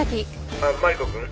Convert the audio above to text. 「あっマリコくん？」